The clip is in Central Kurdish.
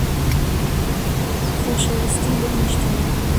خۆشەویستی بۆ نیشتمان.